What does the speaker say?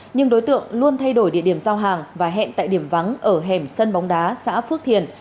nhưng đối tượng luôn thay đổi địa điểm giao hàng và hẹn tại điểm vắng ở hẻm sân bóng đá xã phước thiền